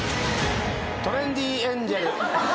トレンディエンジェル。